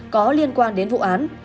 có liên quan đến vụ án